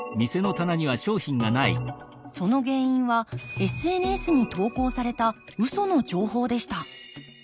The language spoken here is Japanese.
その原因はＳＮＳに投稿されたウソの情報でした。